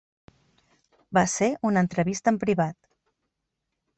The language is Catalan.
Va ser una entrevista en privat.